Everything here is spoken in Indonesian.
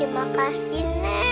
terima kasih bunda dari